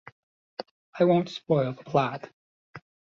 I won't spoil the plot.